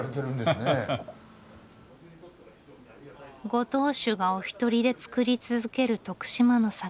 ご当主がお一人で造り続ける徳島の酒。